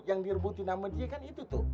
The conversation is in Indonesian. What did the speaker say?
yang direbutin nama dia kan itu tuh